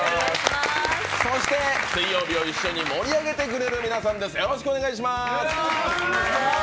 水曜日を一緒に盛り上げてくれる皆さんです。